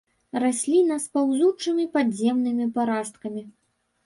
Расліна з паўзучымі падземнымі парасткамі.